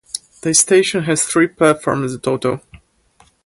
The station has three platforms in total.